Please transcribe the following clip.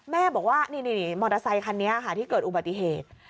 แม่บอกว่านี่มอเตอร์ไซคันนี้ค่ะที่เกิดอุบัติเหตุ